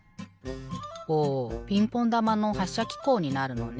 おピンポンだまのはっしゃきこうになるのね。